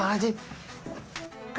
aduh dorong banget aja